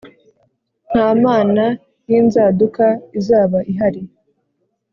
Nta mana y inzaduka izaba ihari